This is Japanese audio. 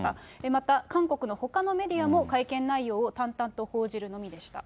また、韓国のほかのメディアも、会見内容を淡々と報じるのみでした。